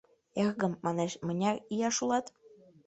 — Эргым, — манеш, — мыняр ияш улат?